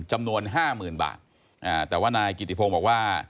จำนวน๕๐๐๐๐บาทแต่ว่านางกิติพงบอกว่า